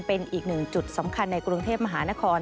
เป็นอีกหนึ่งจุดสำคัญในกรุงเทพมหานคร